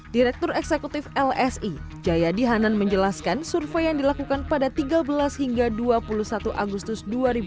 direktur eksekutif lsi jayadi hanan menjelaskan survei yang dilakukan pada tiga belas hingga dua puluh satu agustus dua ribu dua puluh